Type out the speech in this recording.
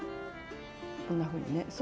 こんなふうにね。